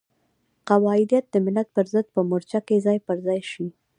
قبایلت د ملت پرضد په مورچه کې ځای پر ځای شي.